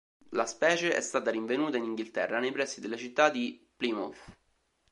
La specie è stata rinvenuta in Inghilterra, nei pressi della città di Plymouth.